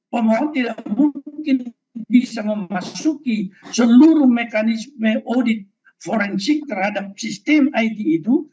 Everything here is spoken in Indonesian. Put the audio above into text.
pemohon tidak mungkin bisa memasuki seluruh mekanisme audit forensik terhadap sistem it itu